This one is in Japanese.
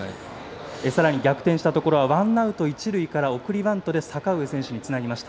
さらに逆転したところはワンアウト一塁から送りバントで阪上選手につなぎました。